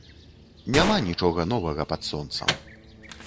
Няма нічога новага пад сонцам.